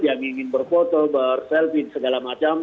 yang ingin berfoto berselvin segala macam